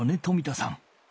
冨田さん。